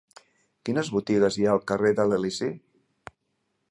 Quines botigues hi ha al carrer de l'Elisi?